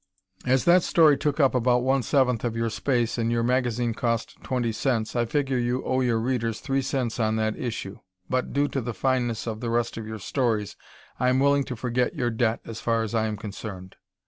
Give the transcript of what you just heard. As that story took up about one seventh of your space and your magazine cost twenty cents. I figure you owe your readers three cents on that issue. But, due to the fineness of the rest of your stories, I am willing to forget your debt as far as I am concerned.